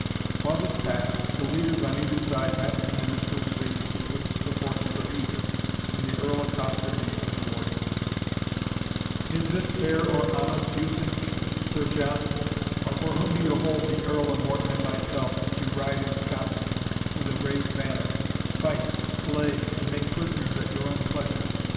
While this passed, the leaders on either side met in the neutral space betwixt the forces of either, and the Earl accosted the English Warden: "Is this fair or honest usage, Sir John, or for whom do you hold the Earl of Morton and myself, that you ride in Scotland with arrayed banner, fight, slay, and make prisoners at your own pleasure?